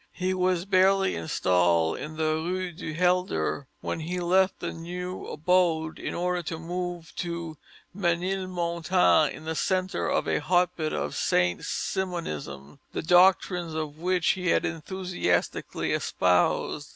He was barely installed in the Rue du Helder when he left the new abode in order to move to Ménilmontant in the centre of a hotbed of Saint Simonism, the doctrines of which he had enthusiastically espoused.